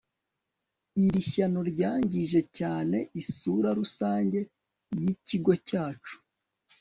iri shyano ryangije cyane isura rusange yikigo cyacu